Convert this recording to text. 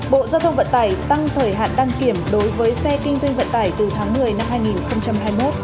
bộ giao thông vận tải tăng thời hạn đăng kiểm đối với xe kinh doanh vận tải từ tháng một mươi năm hai nghìn hai mươi một